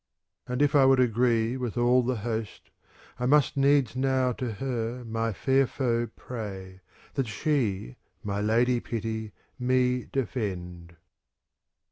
And if I would agree with all the host, I must needs now to her my fair foe pray, That she, my Lady Pity, me defend.